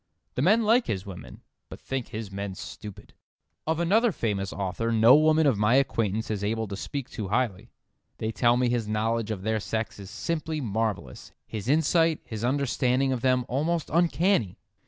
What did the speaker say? The men like his women, but think his men stupid. Of another famous author no woman of my acquaintance is able to speak too highly. They tell me his knowledge of their sex is simply marvellous, his insight, his understanding of them almost uncanny.